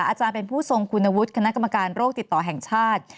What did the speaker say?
อาจารย์เป็นผู้ทรงคุณวุฒิคณะกรรมการโรคติดต่อแห่งชาติ